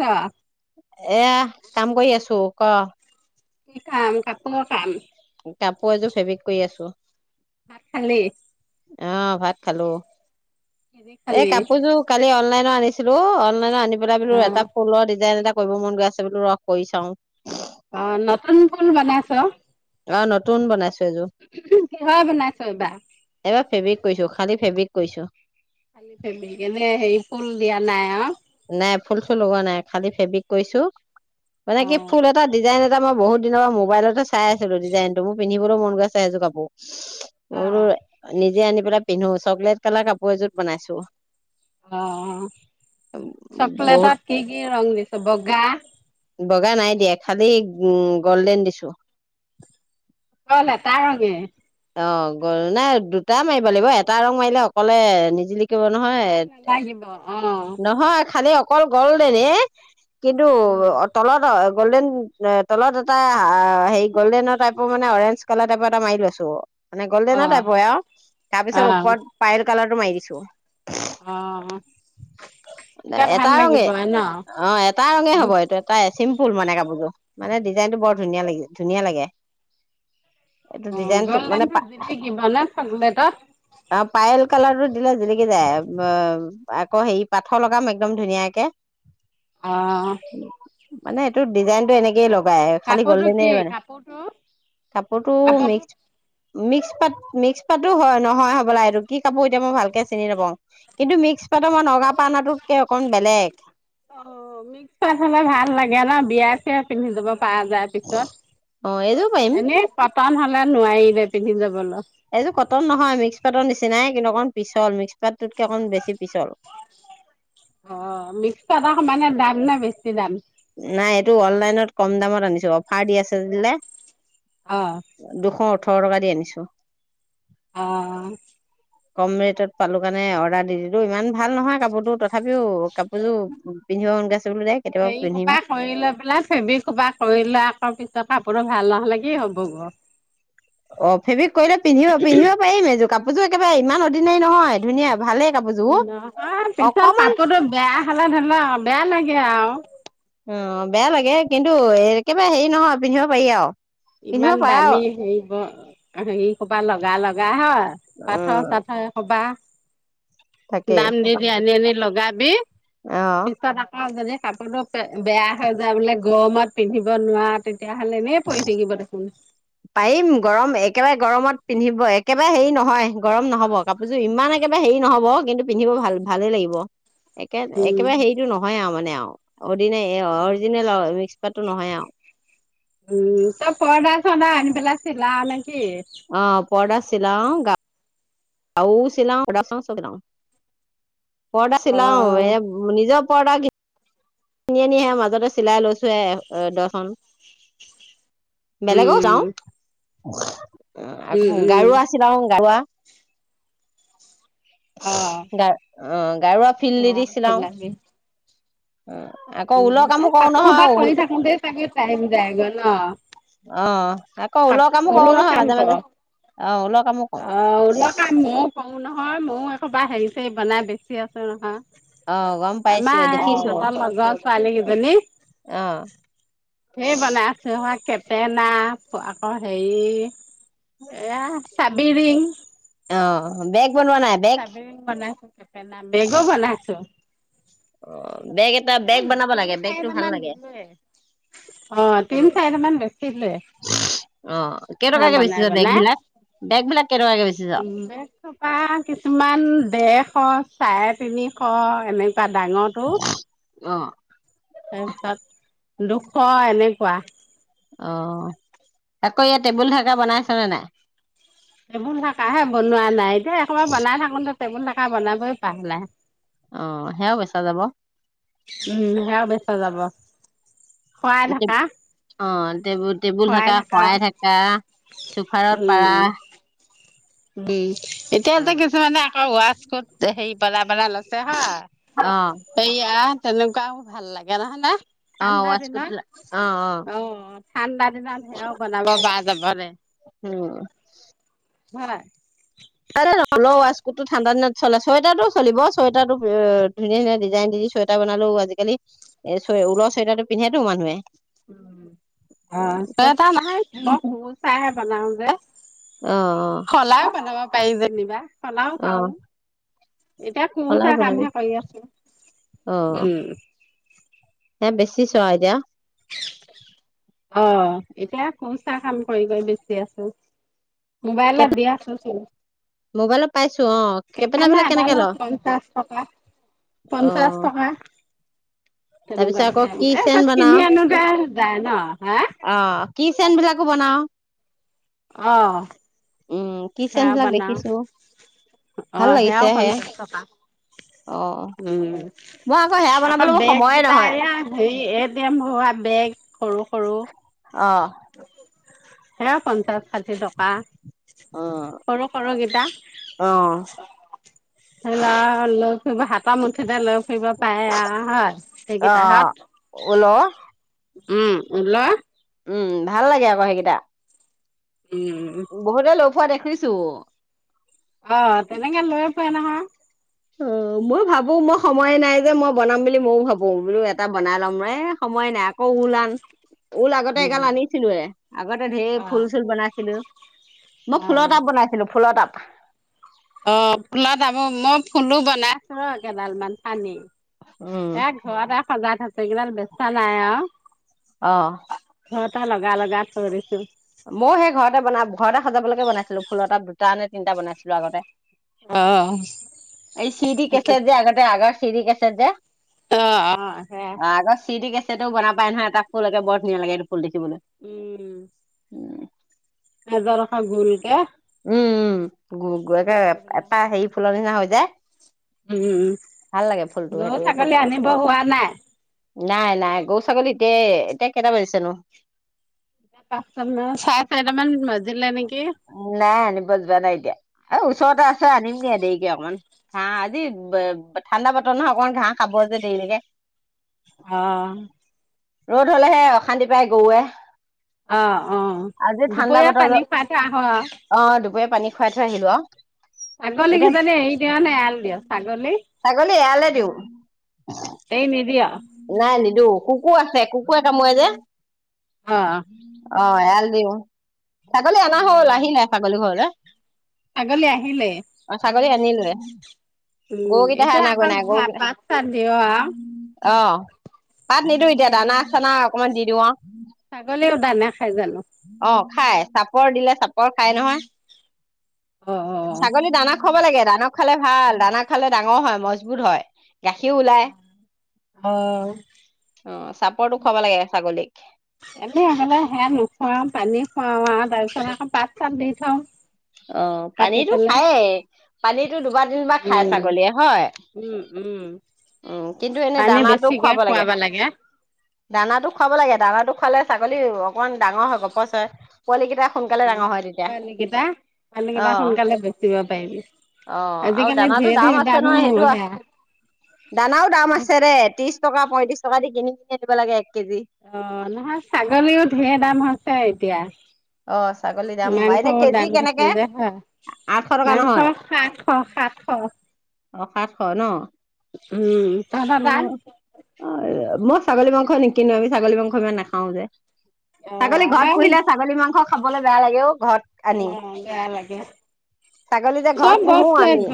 অ এইয়া কাম কৰি আছোঁ। ক কি কাম কাপোৰৰ কাম। কাপোৰ এযোৰ ফেব্ৰিক কৰি আছোঁ। ভাত খালি? অহ ভাত খালোঁ। কিদি এ খালি কাপোৰযোৰ কালি অনলাইন না [unintelligible] ছিলো অনলাইনত আনি পেলাই অ বোলো এটা ফুলৰ ডিজাইন এটা কৰিব মন গৈ আছে বোলো, ৰহ কৰি চাওঁ। অ নতুন ফুল বনাইছ? অ নতুন বনাইছোঁ। এযোৰ কিহৰ বনাইছ এইবাৰ এবাৰ ফেব্ৰিক কৈছো, খালি ফেব্ৰিক। কৰিছ? খালি ফেবি কেনে হেয়ি ফুল দিয়া নাই আও। নাই ফুল চুল লগোৱা নাই। খালি ফেব্ৰিক কৰিছোঁ মানে অ কি ফুল এটা ডিজাইন এ এটা মই বহুত দিনৰ পৰা মোবাইলতে চাই আছিলো। ডিজাইনটো মোৰ পিন্ধিবলৈ মন গৈছেই এযোৰ কাপোৰ। অ মই বোলো নিজে আনি পেলাই পিন্ধো, চকলেট কালাৰ কাপোৰ এযোৰত বনাইছো। অ'। বহুত চকলেটত কি কি ৰং দিছ বগা বগা নাই দিয়া খালি উম গল্ডেন দিছো। অকল এটা ৰঙে অ গ নাই দুটা মাৰিব লাগিব, এটা ৰং মাৰিলে অকলে নিজিলিকিব নহয়, ভাল নালাগিব অ নহয় খালি কল, গলদেনে কিন্তু উম অ' তলত অ' গ'ল্ডেন তলত এটা হেৰি গ'ল্ডেনৰ টাইপৰ মানে অৰেঞ্জ কালাৰ টাইপৰ এটা মাৰি লৈছো। অ'। মানে অ গ'ল্ডেনৰ টাইপৰে আৰু অ তাৰপিছত ওপৰত পাইল কালাৰটো মাৰি দিছো। অ তেতিয়া ভাল এটা ৰঙে লাগিব ন অ', এটা ৰঙে হ'ব, এইটো এটাই চিম ফুল মানে কাপোৰযোৰ। মানে ডিজাইনটো বৰ ধুনীয়া লাগে, ধুনীয়া লাগে। এইটো ডিজাইন অ' গল্ডেনটো জিলিকিব ন চকলেটত পায়ল কালাৰটো দিলে জিলিকি যায় অ' আকৌ হেৰি পাথৰ লগাম একদম ধুনীয়াকে অহ। মানে এইটো ডিজাইনটো এনেকে লগ পাই খালি কাপোৰটো গ'ল্ডেনে কি মানে কাপোৰটো কাপোৰটো মিক্স মিক্স পাত, মিক্স পাতো হয়, নহয় হ'বলা এইটো কি কাপোৰ এতিয়া মই ভালকে চিনি নাপাও। কিন্তু মিক্স পাটৰ মই নগা পা অনাটোতকে অকণ বেলেগ অ' মিক্স পাট হ'লে ভাল লাগে ন বিয়াত সেয়াই। পিন্ধি যাব পৰা যায় পিছত অ এইযোৰ পাৰিম এনে পাট টান হ'লে নোৱাৰিলে পিন্ধি যাবলৈ এইযোৰ কটন নহয়, মিক্স পাতৰ নিচিনাই কিন্তু অকণ পিছল মিক্স পাতটোতকে অকণ বেছি পিছল। অ' মিক্স পাটৰ সমানে দাম নে বেছি দাম? নাই এইটো অনলাইনত কম দামত আনিছো অফাৰ দি আছিলে। অ' দুশ ওঠৰ ওঠৰ টকা দি আনিছো। অহ। কম ৰেটত পালো কাৰণে অৰ্ডাৰ দি দিলো, ইমান ভাল নহয় কাপোৰতো তথাপিও কাপোৰযোৰ পিন্ধিব মন গৈ আছে। [unintelligible] যায় কেতিয়াবা পিন্ধিম কবা কৰি লৈ পেলাই ফেবিক হোপা কৰি লৈ আকৌ পিছত, কাপোৰ ভাল নহ'লে কি হ'ব অ, অ ফেব্ৰিক কৰিলে পিন্ধিব পিন্ধিব পাৰিম এইযোৰ কাপোৰযোৰ একেবাৰে ইমান অৰ্ডিনাৰী নহয় ধুনীয়া ভালেই কাপোৰযোৰ নহয় পিছত অকমান কাপোৰতটো বেয়া হলে ধৰিল বেয়া লাগে আৰু অ বেয়া লাগে কিন্তু একেবাৰে হেৰি নহয় পিন্ধিব পাৰি আৰু পিন্ধিব ইমান পাৰা দামী হেৰি ব হেৰি কবা লগা লগা হয় পাথৰ উম চাথৰ এহোপা তাকেই দাম দি দি আনি আনি লগাই বি অ পিছত আকৌ বেলেগ, কাপোৰতো বেয়া হৈ যায় বোলে গৰমত পিন্ধিব নোৱাৰা তেতিয়া হ'লে এনে পৰি থাকিব, [unintelligible] পাৰিম গৰম একেবাৰে গৰমত পিন্ধিব একেবাৰে হেৰি নহয় গৰম নহব কাপোৰযোৰ ইমান একেবাৰে হেৰি নহব কিন্তু পিন্ধিব ভাল ভালেই লাগিব। একে উম, একেবাৰে হেৰিতটো নহয় আৰু মানে অ। কিনে অৰিজিনেল মিক্স কতো নহয় আৰু উম তই পৰ্দা চৰ্দা আনি পেলাই চিলা নে? কি? পৰদা চিলাউ গা আৰুও চিলা অং চ গাম [unintelligible] পৰদা চিলাও অ', এ নিজপ কৰাগি কিনি আনিহে মাজতে চিলাই লৈছোহে দৰ্শন উম হয় [unintelligible] অ উম, আ উম, গাৰুৱা ছিলাউ গাৰুৱা অ। গা অ। গাৰুৱা ফিল্ড দি সেয়া -দি চিলাউ। চিলাবি। কাপোৰ সোপা ঊল কৰি থাকোতে চাগে টাইম যায় গৈ ন। অ আকৌ ক ঊলৰ কামো কৰো ঊলও নহয় কাম মাজে কৰ মাজে অ ঊলৰ কামো কৰো অ ঊল কাম ময়ও কৰো নহয় ময়ও একোবাৰ হেৰিছে বনাই বেছি চি আছে নহয়। অ গম পাইছো আমা দেখিছো ইহঁতৰ লগৰ ছোৱালী কেইজনী অ স বনাই আছো হ চেনা আকৌ হেৰি এয়া চাবিৰিং অ বেগ বনোৱা নাই বেগ চাবিৰিং বনাইছো কেপ ন বেগো বনাইছো। অ। বেগ এটা এ বেগ বনাব তিনি লাগে বেগটো চাৰিটা ভাল মান লাগে দিলোৱে অ তিনি চাৰিটা মান বেচিলোৱে অ ঘৰ কেইটকাকে বনাই বেচিছে বেগ বিলাক বেগ বিলাক কেইটকা কে বেচিছ? উ বেগ থকা কিছুমান বেগ এশ চাৰে তিনিশ এনে তাত ডাঙৰটো অ তাৰপিছত দুশ এনেকুৱা অ' আকৌ ইয়াত টেবুল ঢাকা বনাইছনে নাই? টেবুল ঢাকাহে বনোৱা নাই এতিয়া একোবাৰ বনাই থাকোতে টেবুল ঢাকা বনাবই পাহলে অ' সেয়াও বেচা যাব। উম সেয়াও বেচা যাব শৰাই ঢাকা অ' টেবু-টেবুল ঢাকা, শৰাই ঢাকা, চোফাৰত পাৰা। বি [unintelligible] এতিয়া অ [unintelligible] অ' ৱাছকোত, হেৰি পেলাব বনাই লৈছে হা, সেইয়া তেনেকুৱাও ভাল লাগে নহয়নে? অ ঠাণ্ডা ৱাচকোট দিনত, বিলাক অ অ'। ঠাণ্ডাত সেও বনাব বা [unintelligible] [unintelligible] উম। হয়। [unintelligible] ৱাছকোটটো ঠাণ্ডা দিনত চলে। চুৱেটাৰটোও চলিব, চুৱেটাৰটো ধুনীয়া-ধুনীয়া ডিজাইন দি চুৱেটাৰ বনালো, আজিকালি ঊলৰ চুৱেটাৰটো পিন্ধেটো মানুহে। উম, অ' চুৱেটাৰ নাই [unintelligible] চাইহে বনাও। [unintelligible] অ অ সলাইও পেলাব পাৰি যেনিবা। সলাও অ পাৰোঁ। এতিয়া সলাই কুৰচা বনাবি কামহে কৰি আছো। অ উম। শিকিছ আও এতিয়া। অ' এতিয়া কুৰচা কাম কৰি কৰি বেচি আছো। মোবাইলত দি আছোচোন। মোবাইলত পাইছো অ কেপেনা কেপেনে বিলাক কেনেকে ল এডালত পঞ্চাশ টকা, অ পঞ্চাশ টকা। তাৰপিছত আকৌ তেনেকুৱাকে। কি চেন কিনি বনাও আনো তে যায় ন? হা কি চেন বিলাকো বনাও অ অ' উম কি চেন সেয়াও বিলাক বনাও। দেখিছো ভাল অ' লাগিছে সেয়াও সেয়া পঞ্চাশ টকা অ উম। মই সেয়া আকৌ বনাবলৈ মোৰ সময়ে বেগকেইটা নহয় এইয়া হেৰি এই [unintelligible] ঘৰুৱা বেগ সৰু-সৰু অ'। সেয়া পঞ্চাশ ষাঠি টকা। অ সৰু -সৰুকেইটা অ ধৰি লও লৈ ফুৰিব হাত মুঠিতে লৈ ফুৰিব পাৰে হয় অ সেইকেইটাহত। ঊলৰ উম উল। উম ভাল লাগে আকৌ সেইকেইটা। উম বহুতে লৈ ফুৰা দেখোঁ। দেখিছোঁ। অঁ' তেনেকে লৈ। হয় নহয়। অ' মই ভাবো মই সময়ে নাই যে মই বনাম বুলি মইও ভাবো বোলো এটা বনাই ল'ম ৰে সময়ে নাই আকৌ ওলান। ঊল আগতে উম এগাল আনিছিলোয়ে আগতে ঢেৰ ফুল চুল বনাইছিলো মই অ ফুলৰ তাপ বনাইছিলো ফুলৰ তাপ। [inaudible] অ' ফুলত আ মই ফুলো বনাই আছো ৰ কেইডাল মান পানি। উম এ ঘৰত আৰু সজাই থাক। সেইগডাল বেছা নাই আও। অঁ। ঘৰ এটা লগ লগাই থৈ দিছোঁ। মইয়ো সেই ঘৰতে বন ঘৰতে সজাবলৈকে বনাইছিলো ফুল এটা দুটা নে তিনিটা বনাইছিলো আগতে। অ', এই চিডি কেঁচাত যে এগাৰতে আগৰ, চিদি কেছেট যে, অঁ অঁ সেয়া। অ আগৰ চি ডি বনাব পাৰে না এটা ফুল বৰ ধুনীয়া লাগে ম। উম। উম। এজ ৰখা গোল কে। উম উম। গো গো এফাহ হেৰি ফুলৰ নিচনা হৈ। দে। উম গৰু এইটো ছাগলী আনিব হোৱা নাই। এতে এতিয়া কেইটা বাজিছেনো? পাঁচ তাৰ মান‌ চাৰে চাৰি টা মান বাজি। জিলে নেকি? নিব যোৱা নাই এতিয়া। এ! ওচৰতে আছে আনিম গে দেৰিকে অকমান। ঘাঁহ আজি ঠাণ্ডা বতৰ নহয় অকমান ঘাঁহ খাব যে দেৰি লৈকে। অঁ। ৰ'দ হ'লে হে অশান্তি পাই গৰুৱে। অঁ অঁ, আজি ঠাণ্ডা দুপৰীয়া বতৰ যে পানী পাত। কিয়া অহ অ', দুপৰীয়া পানী খুৱাই থৈ আহিলো আৰু ছাগলী কি এতিয়া জনী এৰি দিয় নে এৰাল দিয় ছাগলী। ছাগলী এৰালে দিও। এৰি নিদিয়ে। নিদু কুকুৰ আছে কুকুৰে কামোৰে যে। অ', অ। এৰাল দিং। ছাগলী আনা হ'ল উম। আহিলে ছাগলী ঘৰলে ছাগলী আহিলে। য়ে। উম এতিয়া আকৌ পাঁচটাত দিয় আও। অ পাত নিদিওঁ এতিয়া দানা চানা অকণমান দি দিওঁ অ। ছাগলীও দানা খাই জানোঁ। অ খাই। চাপৰ দিলে চাপৰ খাই নহয়। অ অ ছাগলী দানা খোৱাব লাগে। দানা খালে ভাল দানা খালে ডাঙৰ হয় মজবুত হয়। গাখীৰও ওলায় অ চাপৰটো খাব লাগে ছাগলীক। এ সলে সেয়া নোখুৱাও পানী খুৱাও আৰু তাৰ পিছত আকৌ পাত চাত দি থওঁ। অ' কাটি পানীটো পেলাই খায়েই, পানীটো দুবাৰ, তিনিবাৰ খাই উম ছাগলীয়ে। হয়, উম উম উম কিন্তু এনে পানী দানাটো বেছিকে খুৱাব লাগে অ দানাটো খুৱাব লাগে, দানাটো খুৱালে ছাগলীৰ অকমান ডাঙৰ হয়, গপচ হয়। পোৱালি তেতিয়া সোনকালে ডাঙৰ হয় তেতিয়া পোৱালি কেইটা পোৱালি অ কেইটা সোনকালে বেচিব পাৰিবি। অ' আৰু আজিকালি দানাটো ধেৰ ধেৰ দাম আছে দামো নহয়, সেইটো সেয়া দানাও দাম আছে দে ত্ৰিশ টকা, পয়ত্ৰিশ টকা। যিখিনি হে দিব লাগে এক কেজি অ' নহয় ছাগলীও ঢেৰ দাম হৈছে এতিয়া অ ছাগলী দাম এনে মাংসৰ কেজি দাম বেছি কেনেকে যে হা আঠশ টকা মাংস নহয় সাতশ-সাতশ। অ সাতশ ন' উম তা অ [unintelligible] মই ছাগলী মাস নিকিনো আমি, ছাগলী মাংস ইমান নাখাও যে অ ছাগলী ঘৰত আমাৰ পুহিলে ছাগলী মাং খাবলৈ বেয়া লাগেও ঘৰত আনি, অ বেয়া লাগে ছাগলী যে ঘৰত পুহো আমি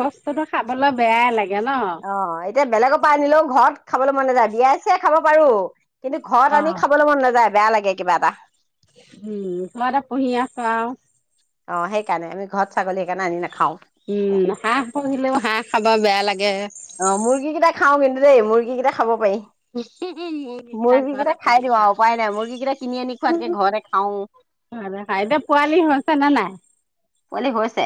বস্তুতটো খাবলৈ বেয়াই লাগে। ন। অ' এতিয়া বেলেগৰ পৰা আনিলেও ঘৰত খাবলৈ মন নাযায়, বিয়া- চিয়াই খাব পাৰো। কিন্তু ঘৰত আনি খাবলৈ মন নাযায়। বেয়া লাগে কিবা এটা উম, কিবাকে পুহি আছো আও অ' সেইকাৰণে আমি ঘৰত ছাগলী সেইকাৰণে আনি নাখাও। উম হাঁহ পুহিলেও হাঁহ খাব বেয়া লাগে। অ' মুৰ্গী কেইটা খাও, কিন্তু দেই মুৰ্গী কেইটা খাব পাৰি। উহ হো মুৰ্গী কেইটা ঘৰতে খাই পুহি দিওঁ খোৱা, আৰু উপায় নাই মুৰ্গী কেইটা কিনি আনি খোৱাতকে ঘৰতে খাওঁ সিহঁতে খাই, এতিয়া পোৱালি হৈছে নে নাই? পোৱালি হৈছে।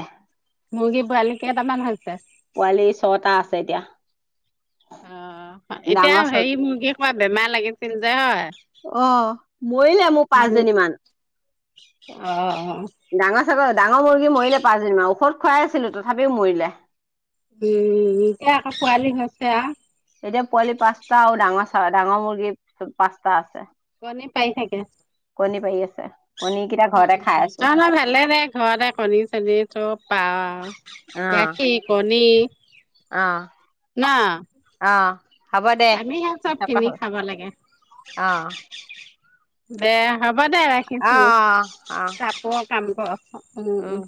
মুৰ্গি পোৱালি কেইটামান হৈছে? পোৱালি ছটা আছে এতিয়া। অ' ডাঙৰ এতিয়া ছ হেৰি মুৰ্গী খোৱা বেমাৰ লাগিছিল যে হয়। অ' মৰিলে মোৰ উম পাঁচজনী মান, অ উম ডাঙৰ চাগৰ ডাঙৰ মুৰ্গী মৰিলে পাঁচজনী মান ঔষধ খুৱাই আছিলো তথাপিও মৰিলে। উম, এতিয়া আকৌ পোৱালি হৈছে আৰু এতিয়া পোৱালি পাঁচটা আৰু ডাঙৰ চৰাই, ডাঙৰ মুৰ্গী পাঁচটা আছে। কণী পাৰি থাকে, কণী পাৰি আছে কণী কেইটা ঘৰতে খাই আছো তহঁতৰ ভালে দে ঘৰতে কণী-চনী চব পা আৰু গাখীৰ, কণী আ না অ হ'ব দে পিছত কথা পাতিম খাব লাগে অ দে হ'ব দে অ ৰাখিছো অ অ চাপৰ কাম ক উম উম